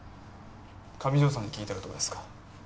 上條さんに聞いたらどうですか？